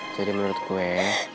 jadi menurut gue